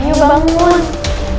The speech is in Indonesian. aku yang bakal ngelakuin dia